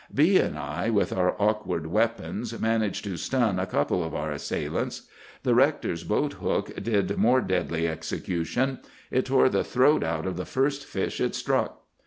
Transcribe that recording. "B—— and I, with our awkward weapons, managed to stun a couple of our assailants. The rector's boat hook did more deadly execution; it tore the throat out of the first fish it struck.